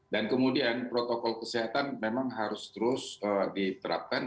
dan kemudian protokol kesehatan memang harus terus diterapkan